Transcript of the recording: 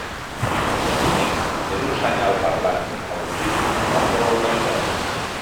El lledoner és un senyal parlant al·lusiu al nom de la localitat.